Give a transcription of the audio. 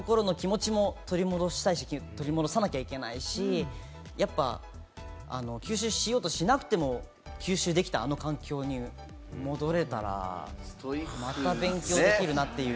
その頃の気持ちも取り戻したいし、取り戻さなきゃいけないし、やっぱ吸収しようとしなくても、吸収できたあの環境に戻れたら、また勉強できるなという。